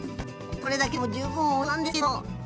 これだけでも十分おいしそうなんですけど。